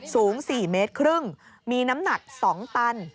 สูง๔เมตรครึ่งมีน้ำหนัก๒ตัน